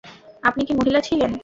আপনি কি মহিলা ছিলেন?